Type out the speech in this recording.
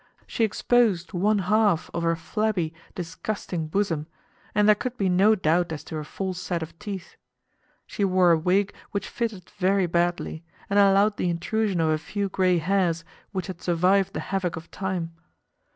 She exposed one half of her flabby, disgusting bosom, and there could be no doubt as to her false set of teeth. She wore a wig which fitted very badly, and allowed the intrusion of a few gray hairs which had survived the havoc of time.